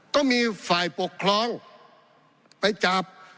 ก็มีฝ่ายปกครองไปจับ